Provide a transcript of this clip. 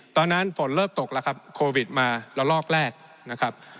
ตอนนั้นฝนเริ่มตกแล้วครับโควิดมาละลอกแรกนะครับ